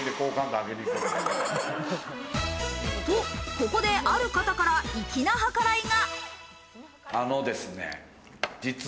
ここである方から粋な計らいが。